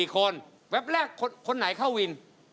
๔คนแวบแรกคนไหนเข้าวิน